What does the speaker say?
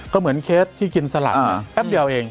ก็เหมือนเคสที่กินสลักแป๊บเดียวเอง